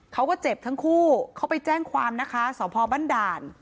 เขาก็เจ็บทั้งคู่เขาไปแจ้งความนะคะสพบ้านด่าน